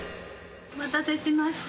お待たせしました。